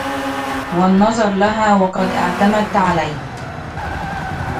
وَالنَّظَرُ لَهَا وَقَدْ اعْتَمَدَتْ عَلَيْك